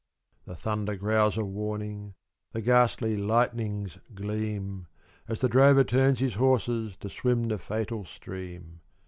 The thunder growls a warning, The ghastly lightnings gleam, As the drover turns his horses, To swim the fatal stream.